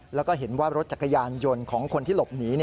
แล้วก็เห็นว่ารถจักรยานยนต์ของคนที่หลบหนี